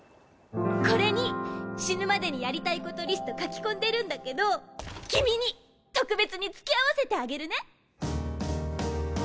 これに死ぬまでにやりたいことリスト書き込んでるんだけど君に特別に付き合わせてあげるね。